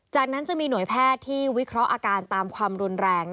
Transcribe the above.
จากนั้นจะมีหน่วยแพทย์ที่วิเคราะห์อาการตามความรุนแรง